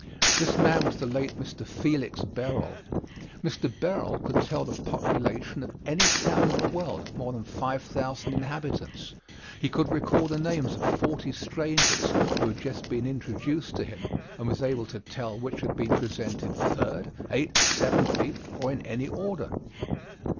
This man was the late Mr. Felix Berol. Mr. Berol could tell the population of any town in the world, of more than five thousand inhabitants. He could recall the names of forty strangers who had just been introduced to him and was able to tell which had been presented third, eighth, seventeenth, or in any order.